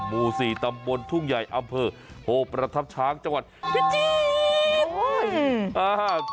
หมู่๔ตำบลทุ่งใหญ่อำเภอโพประทับช้างจังหวัดพิจิตร